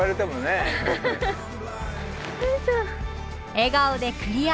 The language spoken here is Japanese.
笑顔でクリア。